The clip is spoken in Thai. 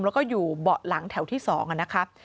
แล้วก็อยู่เบาะหลังแถวที่๒นะครับ